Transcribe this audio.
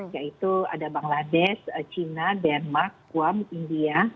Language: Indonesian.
yaitu ada bangladesh china denmark kuam india